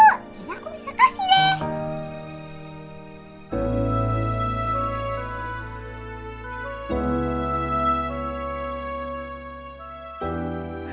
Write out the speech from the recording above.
jadi aku bisa kasih deh